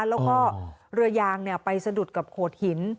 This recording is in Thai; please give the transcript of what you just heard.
แล้วก็เรือยางไปสะดุดกับโขดหิน